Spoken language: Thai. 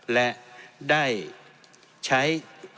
และได้ใช้